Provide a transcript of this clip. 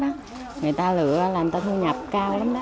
người ta lựa là người ta thu nhập cao lắm